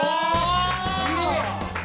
きれい！